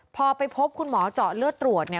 พอไปพบคุณหมอเจาะเลือดตรวจ